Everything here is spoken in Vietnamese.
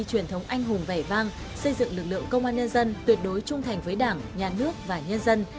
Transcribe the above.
truyền thống anh hùng vẻ vang xây dựng lực lượng công an nhân dân tuyệt đối trung thành với đảng nhà nước và nhân dân